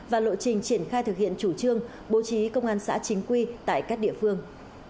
và lộ trình triển khai thực hiện chủ trương bố trí công an xã chính quy tại các địa phương